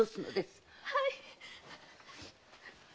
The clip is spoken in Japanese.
はい！